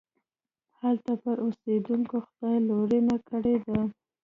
هلته پر اوسېدونکو خدای لورينې کړي دي.